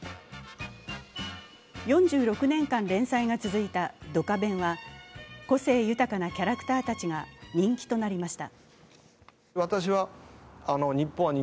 ４６年間連載が続いた「ドカベン」は個性豊かなキャラクターたちが人気となりました。